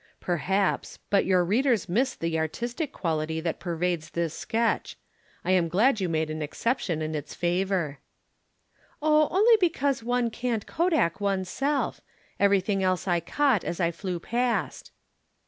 "Perhaps, but your readers miss the artistic quality that pervades this sketch. I am glad you made an exception in its favor." "Oh, only because one can't Kodak oneself. Everything else I caught as I flew past."